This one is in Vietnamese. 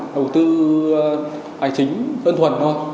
đầu tư bài chính phân thuần thôi